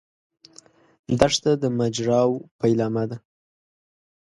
دښته د ماجراوو پیلامه ده.